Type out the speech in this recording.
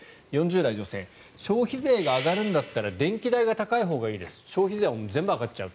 ４０代女性消費税が上がるんだったら電気代が高いほうがいい消費税は全部上がっちゃう。